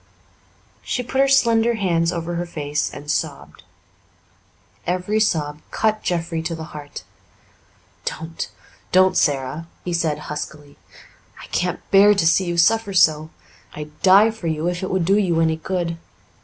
She put her slender hands over her face and sobbed. Every sob cut Jeffrey to the heart. "Don't don't, Sara," he said huskily. "I can't bear to see you suffer so. I'd die for you if it would do you any good.